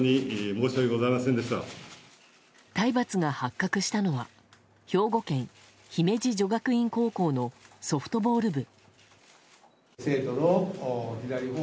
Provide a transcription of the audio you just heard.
体罰が発覚したのは兵庫県姫路女学院高校のソフトボール部。